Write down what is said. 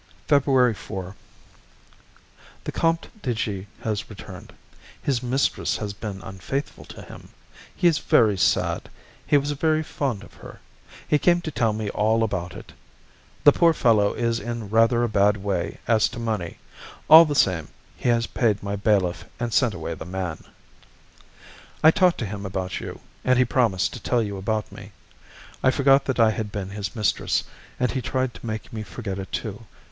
February 4. The Comte de G. has returned. His mistress has been unfaithful to him. He is very sad; he was very fond of her. He came to tell me all about it. The poor fellow is in rather a bad way as to money; all the same, he has paid my bailiff and sent away the man. I talked to him about you, and he promised to tell you about me. I forgot that I had been his mistress, and he tried to make me forget it, too.